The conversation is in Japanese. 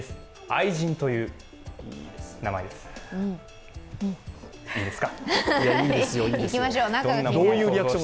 愛人という名前です。